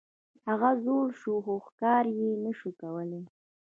هغه زوړ شوی و او ښکار یې نشو کولی.